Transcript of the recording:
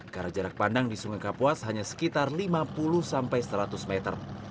karena jarak pandang di sungai kapuas hanya sekitar lima puluh sampai seratus meter